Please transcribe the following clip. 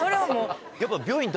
やっぱ。